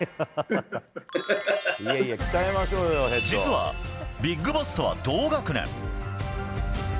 実は、ビッグボスとは同学年。